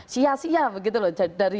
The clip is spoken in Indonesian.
sia sia begitu loh